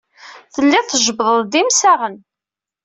Telliḍ tjebbdeḍ-d imsaɣen.